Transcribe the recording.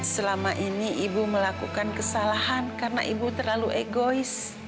selama ini ibu melakukan kesalahan karena ibu terlalu egois